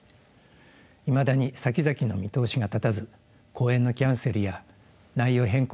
いまだにさきざきの見通しが立たず公演のキャンセルや内容変更が続いています。